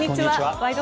「ワイド！